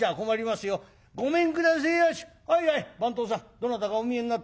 どなたかお見えになったよ」。